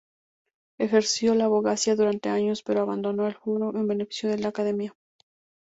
Ejerció la abogacía durante años, pero abandonó el foro en beneficio de la academia.